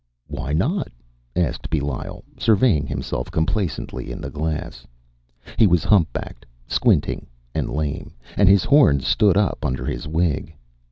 ” “Why not?” asked Belial, surveying himself complacently in the glass. He was humpbacked, squinting, and lame, and his horns stood up under his wig.